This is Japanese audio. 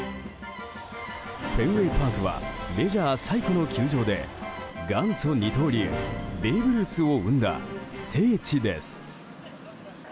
フェンウェイパークはメジャー最古の球場で元祖二刀流ベーブ・ルースを生んだ聖地です。